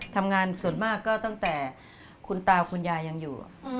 ทำงานส่วนมากก็ตั้งแต่คุณตาคุณยายยังอยู่